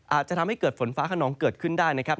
อาจจะทำให้เกิดฝนฟ้าขนองเกิดขึ้นได้นะครับ